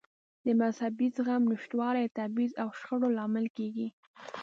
د مذهبي زغم نشتوالی د تبعیض او شخړو لامل کېږي.